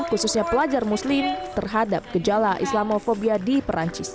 khususnya pelajar muslim terhadap gejala islamofobia di perancis